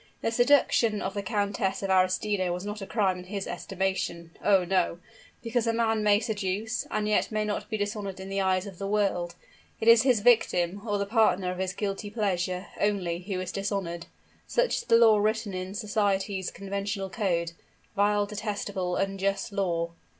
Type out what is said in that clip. The seduction of the Countess of Arestino was not a crime in his estimation oh! no, because man may seduce, and yet may not be dishonored in the eyes of the world. It is his victim, or the partner of his guilty pleasure, only, who is dishonored. Such is the law written in society's conventional code. Vile, detestable, unjust law!